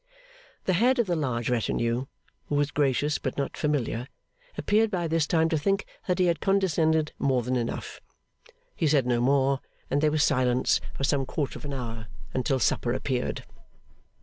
The head of the large retinue, who was gracious but not familiar, appeared by this time to think that he had condescended more than enough. He said no more, and there was silence for some quarter of an hour until supper appeared.